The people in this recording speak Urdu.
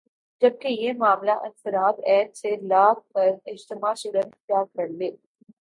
جبکہ یہ معاملہ انفراد عیت سے ل کر اجتماع صورت اختیار کر لے